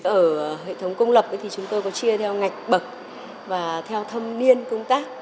ở hệ thống công lập thì chúng tôi có chia theo ngạch bậc và theo thâm niên công tác